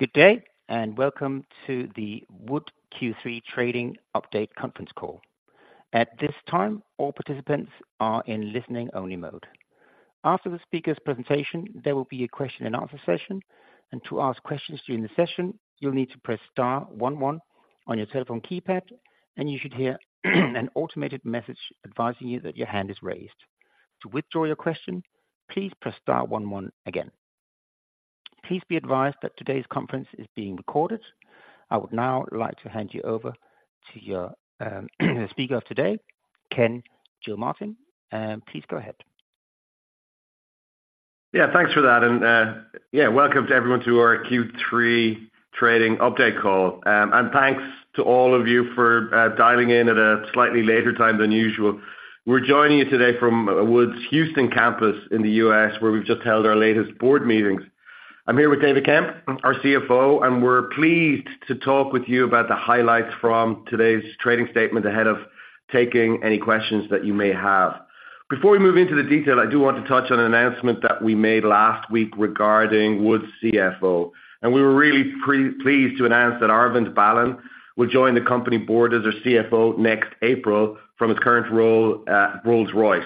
Good day, and welcome to the Wood Q3 trading update conference call. At this time, all participants are in listening-only mode. After the speaker's presentation, there will be a question and answer session, and to ask questions during the session, you'll need to press star one one on your telephone keypad, and you should hear an automated message advising you that your hand is raised. To withdraw your question, please press star one one again. Please be advised that today's conference is being recorded. I would now like to hand you over to your, the speaker of today, Ken Gilmartin. Please go ahead. Yeah, thanks for that, and yeah, welcome to everyone to our Q3 trading update call. And thanks to all of you for dialing in at a slightly later time than usual. We're joining you today from Wood's Houston campus in the US, where we've just held our latest board meetings. I'm here with David Kemp, our CFO, and we're pleased to talk with you about the highlights from today's trading statement, ahead of taking any questions that you may have. Before we move into the detail, I do want to touch on an announcement that we made last week regarding Wood's CFO, and we were really pleased to announce that Arvind Balan will join the company board as our CFO next April from his current role at Rolls-Royce.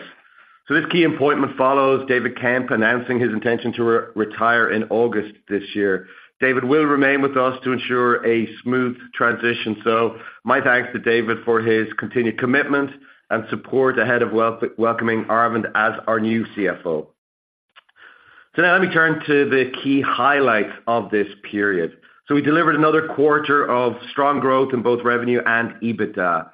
So this key appointment follows David Kemp announcing his intention to retire in August this year. David will remain with us to ensure a smooth transition. So my thanks to David for his continued commitment and support ahead of welcoming Arvind as our new CFO. So now let me turn to the key highlights of this period. So we delivered another quarter of strong growth in both revenue and EBITDA.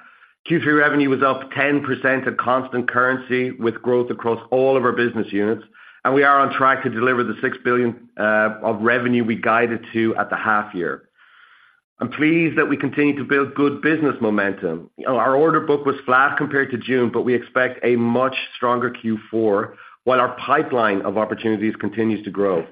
Q3 revenue was up 10% at constant currency, with growth across all of our business units, and we are on track to deliver the $6 billion of revenue we guided to at the half year. I'm pleased that we continue to build good business momentum. Our order book was flat compared to June, but we expect a much stronger Q4, while our pipeline of opportunities continues to grow.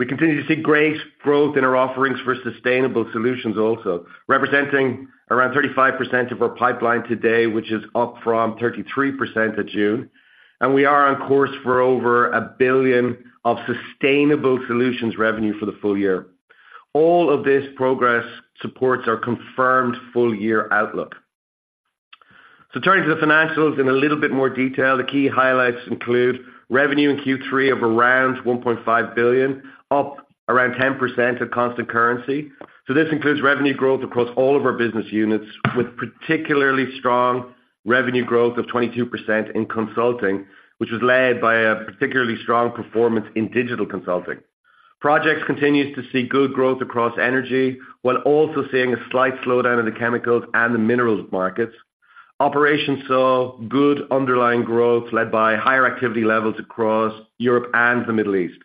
We continue to see great growth in our offerings for Sustainable Solutions also, representing around 35% of our pipeline today, which is up from 33% in June, and we are on course for over $1 billion of Sustainable Solutions revenue for the full year. All of this progress supports our confirmed full year outlook. So turning to the financials in a little bit more detail, the key highlights include: revenue in Q3 of around $1.5 billion, up around 10% of constant currency. So this includes revenue growth across all of our business units, with particularly strong revenue growth of 22% in Consulting, which was led by a particularly strong performance in Digital Consulting. Projects continues to see good growth across energy, while also seeing a slight slowdown in the chemicals and the minerals markets. Operations saw good underlying growth, led by higher activity levels across Europe and the Middle East.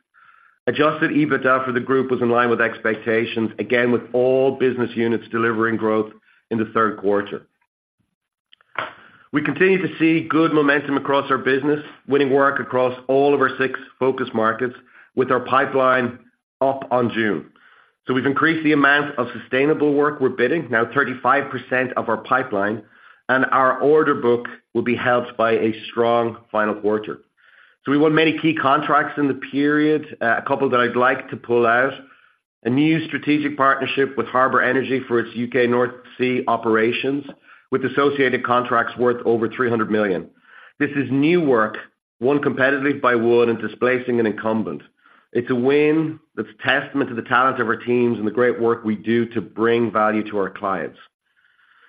Adjusted EBITDA for the group was in line with expectations, again, with all business units delivering growth in the third quarter. We continue to see good momentum across our business, winning work across all of our six focus markets, with our pipeline up on June. So we've increased the amount of sustainable work we're bidding, now 35% of our pipeline, and our order book will be helped by a strong final quarter. So we won many key contracts in the period. A couple that I'd like to pull out. A new strategic partnership with Harbour Energy for its UK North Sea operations, with associated contracts worth over $300 million. This is new work, won competitively by Wood and displacing an incumbent. It's a win that's testament to the talent of our teams and the great work we do to bring value to our clients.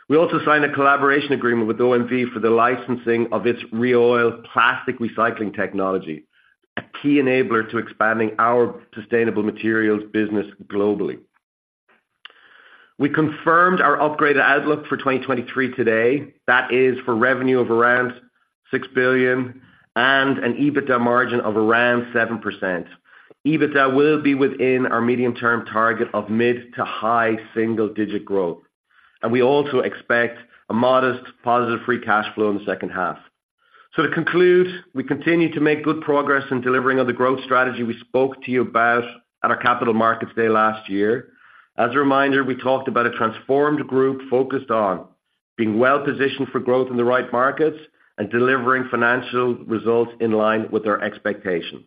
We also signed a collaboration agreement with OMV for the licensing of its ReOil plastic recycling technology, a key enabler to expanding our sustainable materials business globally. We confirmed our upgraded outlook for 2023 today. That is for revenue of around $6 billion and an EBITDA margin of around 7%. EBITDA will be within our medium-term target of mid to high single digit growth, and we also expect a modest positive free cash flow in the second half. So to conclude, we continue to make good progress in delivering on the growth strategy we spoke to you about at our Capital Markets Day last year. As a reminder, we talked about a transformed group focused on being well positioned for growth in the right markets and delivering financial results in line with our expectations.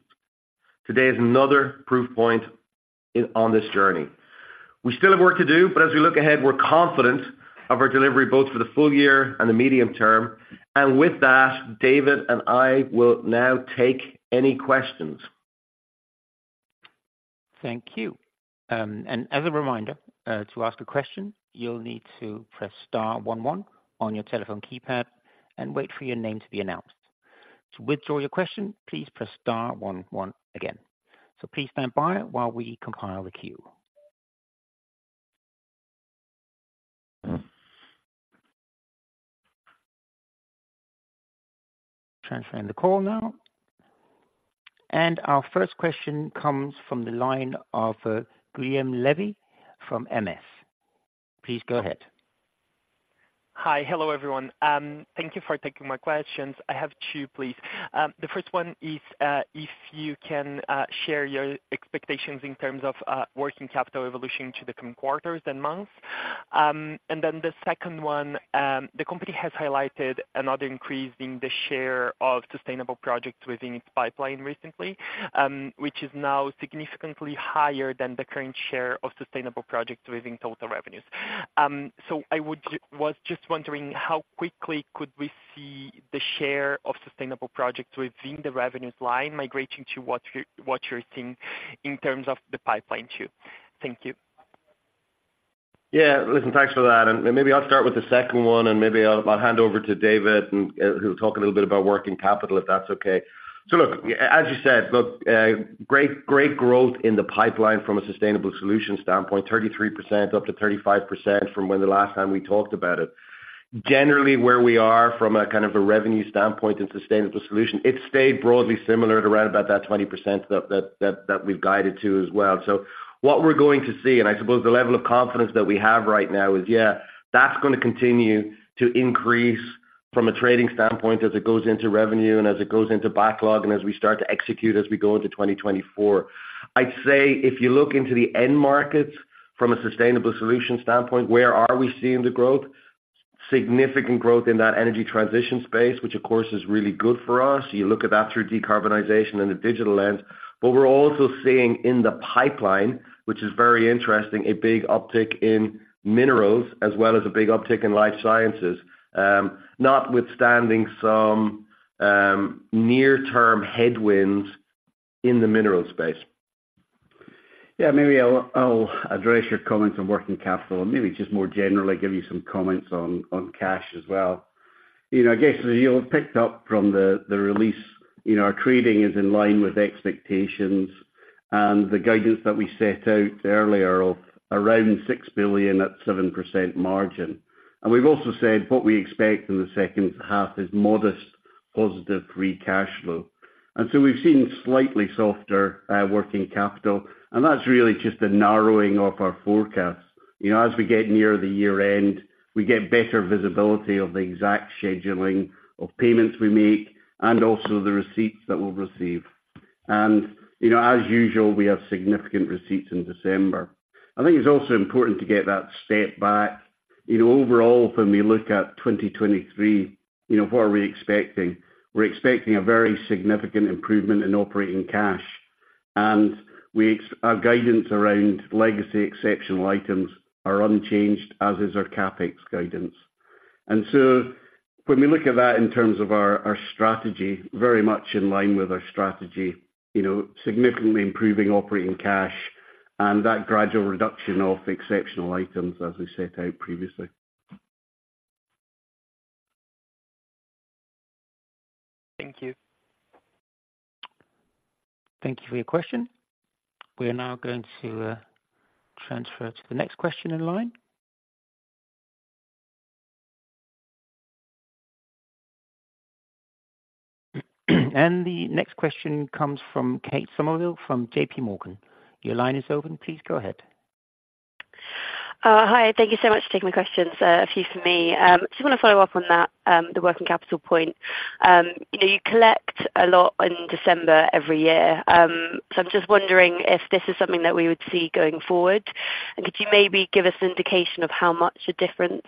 Today is another proof point on this journey. We still have work to do, but as we look ahead, we're confident of our delivery, both for the full year and the medium term. With that, David and I will now take any questions. Thank you. As a reminder, to ask a question, you'll need to press star one one on your telephone keypad and wait for your name to be announced. To withdraw your question, please press star one one again. Please stand by while we compile the queue. Transferring the call now. Our first question comes from the line of, Guilherme Levy from MS. Please go ahead. Hi. Hello, everyone. Thank you for taking my questions. I have two, please. The first one is, if you can, share your expectations in terms of, working capital evolution to the coming quarters and months? And then the second one, the company has highlighted another increase in the share of sustainable projects within its pipeline recently, which is now significantly higher than the current share of sustainable projects within total revenues. So I was just wondering, how quickly could we see the share of sustainable projects within the revenues line migrating to what you're, what you're seeing in terms of the pipeline too? Thank you. Yeah. Listen, thanks for that, and maybe I'll start with the second one, and maybe I'll hand over to David, and he'll talk a little bit about working capital, if that's okay. So look, as you said, look, great, great growth in the pipeline from a sustainable solution standpoint, 33% up to 35% from when the last time we talked about it. Generally, where we are from a kind of a revenue standpoint and sustainable solution, it's stayed broadly similar to around about that 20% that we've guided to as well. So what we're going to see, and I suppose the level of confidence that we have right now, is, yeah, that's gonna continue to increase from a trading standpoint as it goes into revenue and as it goes into backlog, and as we start to execute, as we go into 2024. I'd say if you look into the end markets from a sustainable solution standpoint, where are we seeing the growth? Significant growth in that energy transition space, which, of course, is really good for us. You look at that through decarbonization and the digital lens. But we're also seeing in the pipeline, which is very interesting, a big uptick in minerals as well as a big uptick in life sciences, notwithstanding some, near-term headwinds in the mineral space. Yeah, maybe I'll, I'll address your comments on working capital and maybe just more generally give you some comments on, on cash as well. You know, I guess you've picked up from the, the release, you know, our trading is in line with expectations and the guidance that we set out earlier of around $6 billion at 7% margin. And we've also said what we expect in the second half is modest positive free cash flow. And so we've seen slightly softer working capital, and that's really just a narrowing of our forecasts. You know, as we get near the year-end, we get better visibility of the exact scheduling of payments we make and also the receipts that we'll receive. And, you know, as usual, we have significant receipts in December. I think it's also important to take a step back. You know, overall, when we look at 2023, you know, what are we expecting? We're expecting a very significant improvement in operating cash, and we expect our guidance around legacy exceptional items are unchanged, as is our CapEx guidance. And so when we look at that in terms of our, our strategy, very much in line with our strategy, you know, significantly improving operating cash and that gradual reduction of exceptional items as we set out previously. Thank you. Thank you for your question. We are now going to transfer to the next question in line. The next question comes from Kate Somerville, from JPMorgan. Your line is open. Please go ahead. Hi, thank you so much for taking my questions. A few for me. Just wanna follow up on that, the working capital point. You know, you collect a lot in December every year. So I'm just wondering if this is something that we would see going forward, and could you maybe give us an indication of how much a difference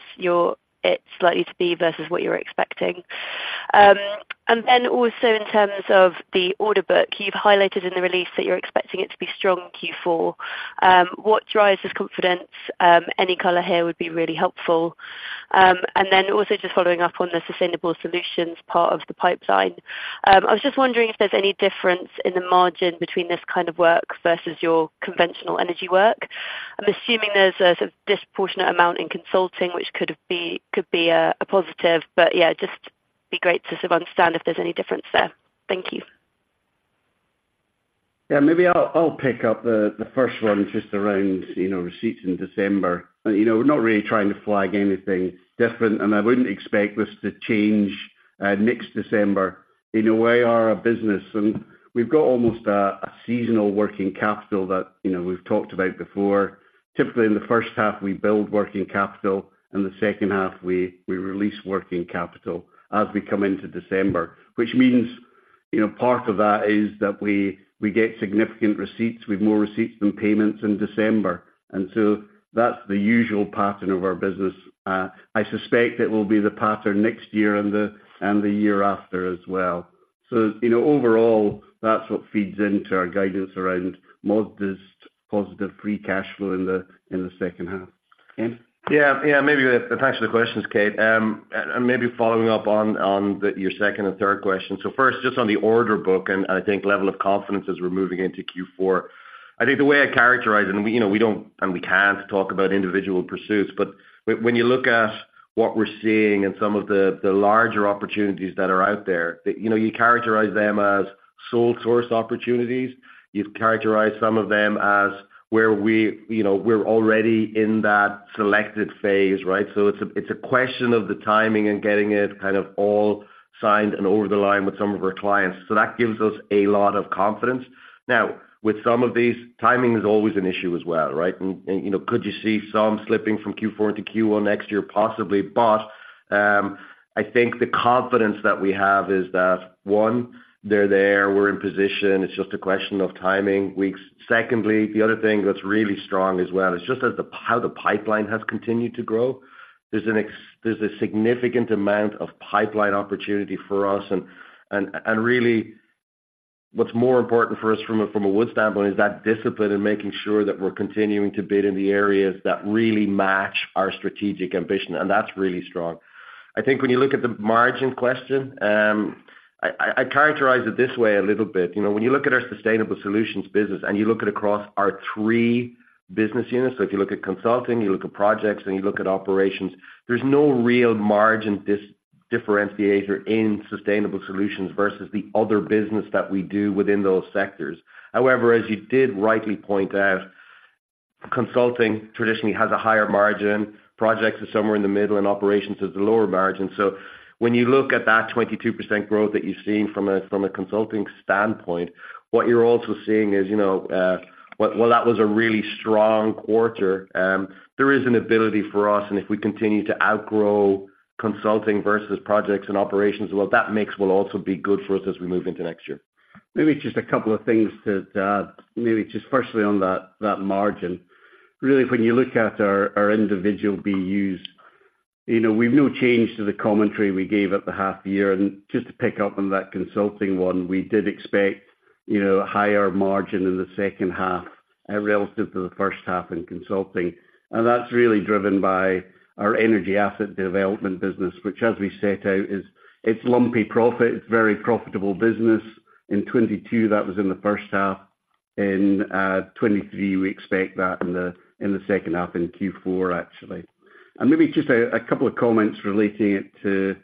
it's likely to be versus what you were expecting? And then also in terms of the order book, you've highlighted in the release that you're expecting it to be strong in Q4. What drives this confidence? Any color here would be really helpful. And then also just following up on the sustainable solutions part of the pipeline. I was just wondering if there's any difference in the margin between this kind of work versus your conventional energy work. I'm assuming there's a sort of disproportionate amount in Consulting, which could be a positive, but yeah, just be great to sort of understand if there's any difference there. Thank you. Yeah, maybe I'll pick up the first one just around, you know, receipts in December. You know, we're not really trying to flag anything different, and I wouldn't expect this to change next December. In a way, we are a business, and we've got almost a seasonal working capital that, you know, we've talked about before. Typically, in the first half, we build working capital, and the second half we release working capital as we come into December. Which means, you know, part of that is that we get significant receipts. We've more receipts than payments in December, and so that's the usual pattern of our business. I suspect it will be the pattern next year and the year after as well. So, you know, overall, that's what feeds into our guidance around modest positive free cash flow in the second half. Kate? Yeah, yeah, maybe, thanks for the questions, Kate. And maybe following up on your second and third question. So first, just on the order book, and I think level of confidence as we're moving into Q4, I think the way I characterize it, and, you know, we don't, and we can't talk about individual pursuits, but when you look at what we're seeing and some of the larger opportunities that are out there, that, you know, you characterize them as sole source opportunities. You've characterized some of them as where we, you know, we're already in that selected phase, right? So it's a question of the timing and getting it kind of all signed and over the line with some of our clients, so that gives us a lot of confidence. Now, with some of these, timing is always an issue as well, right? And, you know, could you see some slipping from Q4 into Q1 next year? Possibly, but. I think the confidence that we have is that, one, they're there, we're in position. It's just a question of timing, weeks. Secondly, the other thing that's really strong as well, is just how the pipeline has continued to grow. There's a significant amount of pipeline opportunity for us, and really, what's more important for us from a Wood standpoint, is that discipline in making sure that we're continuing to bid in the areas that really match our strategic ambition, and that's really strong. I think when you look at the margin question, I characterize it this way a little bit. You know, when you look at our sustainable solutions business and you look at across our three business units, so if you look at Consulting, you look at Projects, and you look at Operations, there's no real margin differentiator in sustainable solutions versus the other business that we do within those sectors. However, as you did rightly point out, Consulting traditionally has a higher margin, Projects is somewhere in the middle, and Operations is the lower margin. So when you look at that 22% growth that you've seen from a Consulting standpoint, what you're also seeing is, you know, while that was a really strong quarter, there is an ability for us and if we continue to outgrow Consulting versus Projects and Operations, well, that mix will also be good for us as we move into next year. Maybe just a couple of things to add. Maybe just firstly on that margin. Really, when you look at our individual BUs, you know, we've no change to the commentary we gave at the half year, and just to pick up on that Consulting one, we did expect, you know, a higher margin in the second half relative to the first half in Consulting. And that's really driven by our energy asset development business, which as we set out, is it's lumpy profit, it's very profitable business. In 2022, that was in the first half. In 2023, we expect that in the second half, in Q4, actually. And maybe just a couple of comments relating it to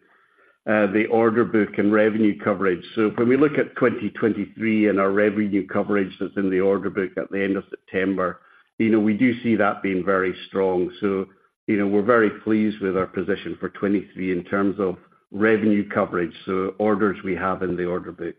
the order book and revenue coverage. So when we look at 2023, and our revenue coverage that's in the order book at the end of September, you know, we do see that being very strong. So, you know, we're very pleased with our position for 2023 in terms of revenue coverage, so orders we have in the order book.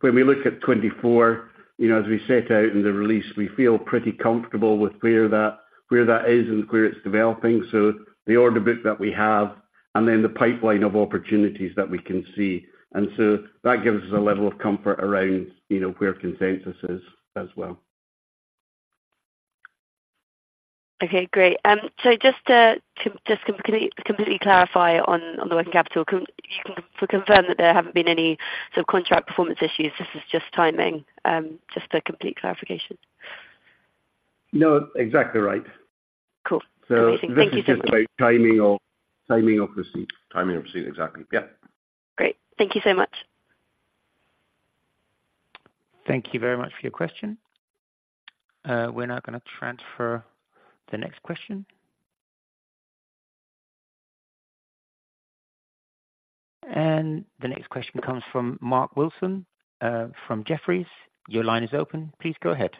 When we look at 2024, you know, as we set out in the release, we feel pretty comfortable with where that, where that is and where it's developing, so the order book that we have, and then the pipeline of opportunities that we can see. And so that gives us a level of comfort around, you know, where consensus is as well. Okay, great. So just to completely clarify on the working capital, you can confirm that there haven't been any sort of contract performance issues, this is just timing? Just a complete clarification. No, exactly right. Cool. Amazing. Thank you so much. So this is just about timing of receipts. Timing of receipts, exactly. Yep. Great. Thank you so much. Thank you very much for your question. We're now gonna transfer the next question. The next question comes from Mark Wilson from Jefferies. Your line is open. Please go ahead.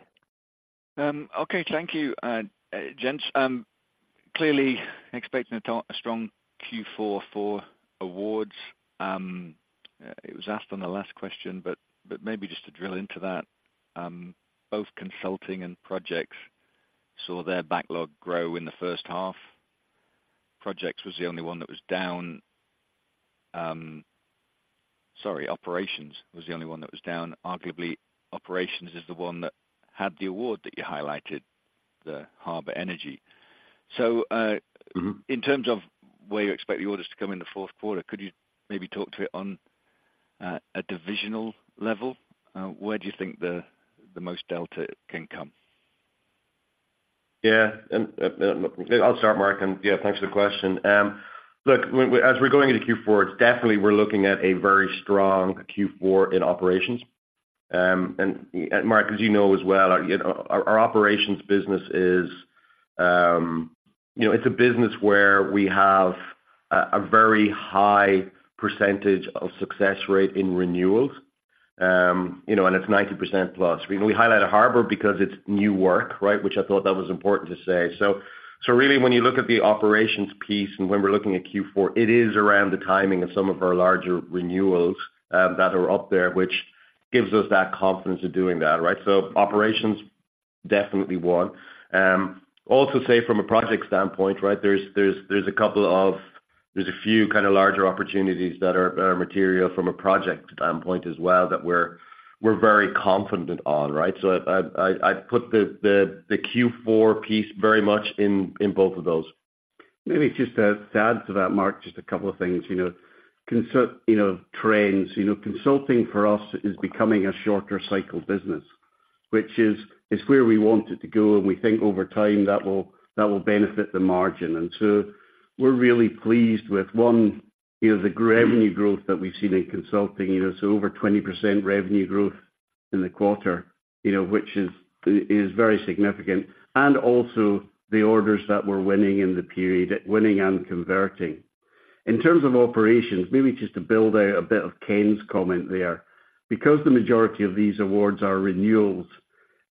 Okay. Thank you, gents. Clearly expecting a strong Q4 for awards. It was asked on the last question, but maybe just to drill into that, both Consulting and Projects saw their backlog grow in the first half. Projects was the only one that was down. Sorry, Operations was the only one that was down. Arguably, Operations is the one that had the award that you highlighted, the Harbour Energy. So, Mm-hmm. In terms of where you expect the orders to come in the fourth quarter, could you maybe talk to it on a divisional level? Where do you think the most delta can come? Yeah. I'll start, Mark, and yeah, thanks for the question. Look, when, as we're going into Q4, it's definitely we're looking at a very strong Q4 in Operations. And, Mark, as you know as well, our, you know, our Operations business is, you know, it's a business where we have a, a very high percentage of success rate in renewals. You know, and it's 90%+. We know we highlighted Harbour because it's new work, right? Which I thought that was important to say so. So really, when you look at the Operations piece and when we're looking at Q4, it is around the timing of some of our larger renewals, that are up there, which gives us that confidence of doing that, right? So Operations, definitely one. Also say from a project standpoint, right, there's a couple of. There's a few kind of larger opportunities that are material from a project standpoint as well, that we're very confident on, right? So I'd put the Q4 piece very much in both of those. Maybe just to add to that, Mark, just a couple of things, you know, Consulting, you know, trends. You know, Consulting for us is becoming a shorter cycle business, which is, it's where we want it to go, and we think over time, that will, that will benefit the margin. And so we're really pleased with one, you know, the revenue growth that we've seen in Consulting, you know, so over 20% revenue growth in the quarter, you know, which is, is very significant, and also the orders that we're winning in the period, winning and converting. In terms of Operations, maybe just to build out a bit of Ken's comment there. Because the majority of these awards are renewals,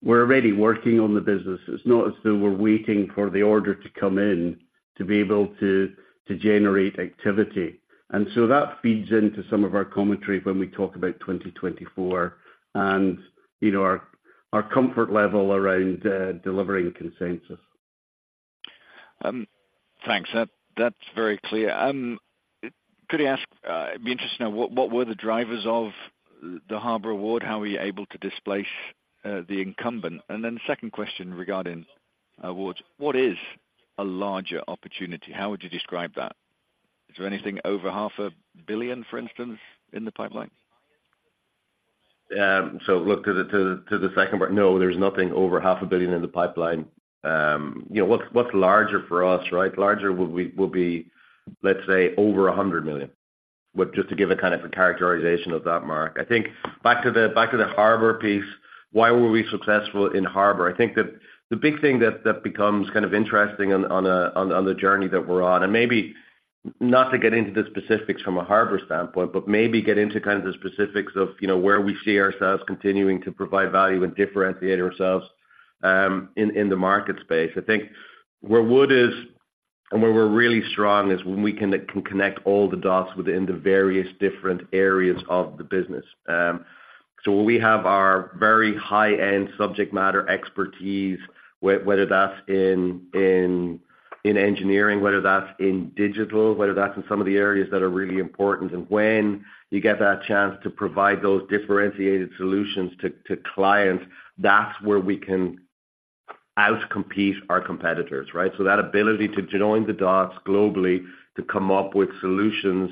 we're already working on the business. It's not as though we're waiting for the order to come in to be able to, to generate activity. And so that feeds into some of our commentary when we talk about 2024 and, you know, our comfort level around delivering consensus. Thanks. That's very clear. Could I ask, I'd be interested to know what were the drivers of the Harbour Award? How were you able to displace the incumbent? And then second question regarding awards: What is a larger opportunity? How would you describe that? Is there anything over $500 million, for instance, in the pipeline? So look, to the second part, no, there's nothing over $500 million in the pipeline. You know, what's larger for us, right? Larger would be, let's say, over $100 million. But just to give a kind of a characterization of that, Mark. I think back to the Harbour piece, why were we successful in Harbour? I think that the big thing that becomes kind of interesting on the journey that we're on, and maybe not to get into the specifics from a Harbour standpoint, but maybe get into kind of the specifics of, you know, where we see ourselves continuing to provide value and differentiate ourselves in the market space. I think where Wood is and where we're really strong is when we can connect all the dots within the various different areas of the business. So where we have our very high-end subject matter expertise, whether that's in engineering, whether that's in digital, whether that's in some of the areas that are really important, and when you get that chance to provide those differentiated solutions to clients, that's where we can outcompete our competitors, right? So that ability to join the dots globally, to come up with solutions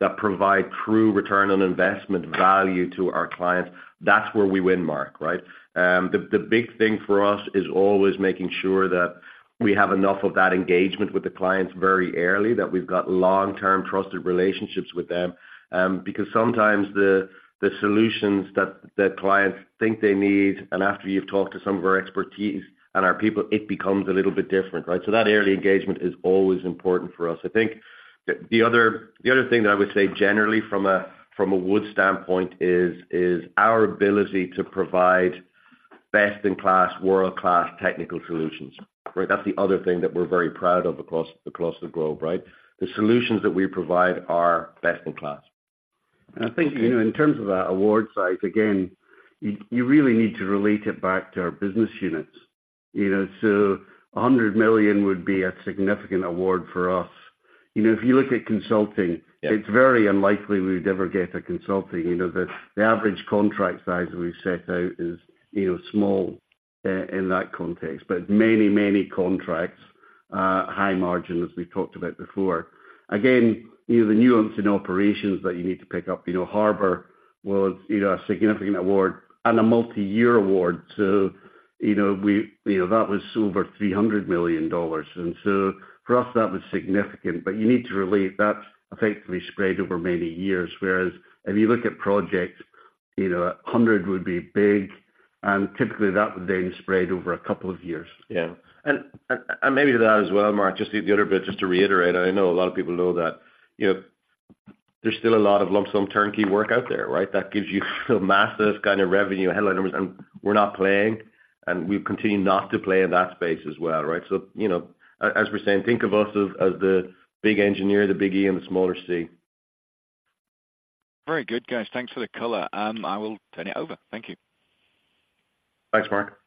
that provide true return on investment value to our clients, that's where we win, Mark, right? The big thing for us is always making sure that we have enough of that engagement with the clients very early, that we've got long-term trusted relationships with them. Because sometimes the solutions that clients think they need, and after you've talked to some of our expertise and our people, it becomes a little bit different, right? So that early engagement is always important for us. I think the other thing that I would say generally from a Wood standpoint is our ability to provide best-in-class, world-class technical solutions, right? That's the other thing that we're very proud of across the globe, right? The solutions that we provide are best-in-class. I think, you know, in terms of that award size, again, you really need to relate it back to our business units. You know, $100 million would be a significant award for us. You know, if you look at Consulting. Yeah. It's very unlikely we would ever get a Consulting. You know, the average contract size we set out is, you know, small in that context, but many, many contracts, high margin, as we talked about before. Again, you know, the nuance in Operations that you need to pick up, you know, Harbour was, you know, a significant award and a multi-year award. So, you know, we. You know, that was over $300 million, and so for us, that was significant. But you need to relate, that's effectively spread over many years. Whereas if you look at Projects, you know, 100 would be big, and typically that would then spread over a couple of years. Yeah. And maybe to that as well, Mark, just the other bit, just to reiterate, and I know a lot of people know that, you know, there's still a lot of lump sum turnkey work out there, right? That gives you massive kind of revenue headline numbers, and we're not playing, and we've continued not to play in that space as well, right? So, you know, as we're saying, think of us as the big engineer, the big E, and the smaller C. Very good, guys. Thanks for the color. I will turn it over. Thank you. Thanks, Mark.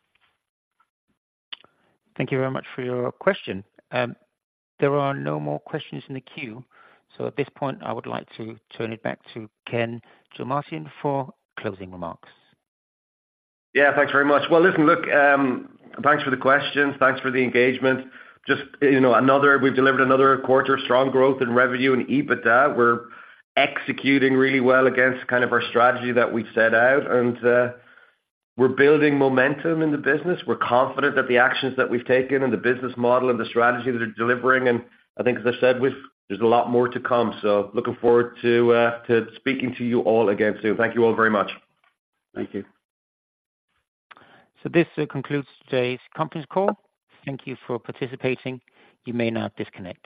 Thank you very much for your question. There are no more questions in the queue, so at this point, I would like to turn it back to Ken Gilmartin for closing remarks. Yeah, thanks very much. Well, listen, look, thanks for the questions. Thanks for the engagement. Just, you know, another, we've delivered another quarter, strong growth in revenue and EBITDA. We're executing really well against kind of our strategy that we've set out, and we're building momentum in the business. We're confident that the actions that we've taken and the business model and the strategy that are delivering, and I think, as I said, we've, there's a lot more to come, so looking forward to speaking to you all again soon. Thank you all very much. Thank you. This concludes today's conference call. Thank you for participating. You may now disconnect.